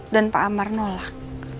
dan pak amar nolak